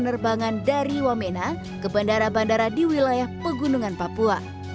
penerbangan dari wamena ke bandara bandara di wilayah pegunungan papua